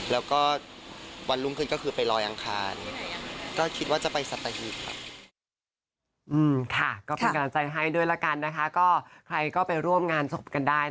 แล้วก็วันรุ่งคืนก็คือไปรอยอังคารก็คิดว่าจะไปสัตว์ตะฮีครับ